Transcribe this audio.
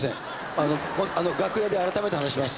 あのあの楽屋で改めて話します。